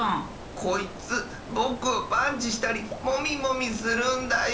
こいつぼくをパンチしたりモミモミするんだよ。